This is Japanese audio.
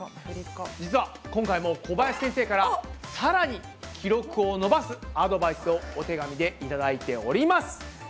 実は今回も小林先生からさらに記録を伸ばすアドバイスをお手紙で頂いております！